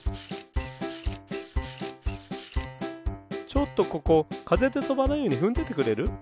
ちょっとここかぜでとばないようにふんどいてくれる？